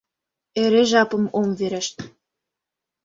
Эре жапым ом верешт.